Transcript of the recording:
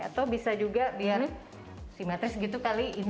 atau bisa juga biar simetris gitu kali ini